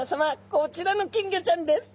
こちらの金魚ちゃんです。